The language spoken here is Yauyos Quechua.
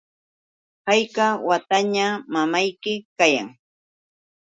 ¿hayka wataña mamayki kayan?